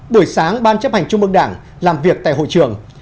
buổi sáng ban chấp hành trung mương đảng làm việc tại hội trường